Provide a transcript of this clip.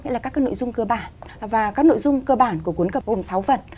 nghĩa là các nội dung cơ bản và các nội dung cơ bản của cuốn cẩm nang hôm sáu phần